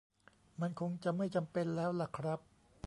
มันคงจะไม่จำเป็นแล้วล่ะครับ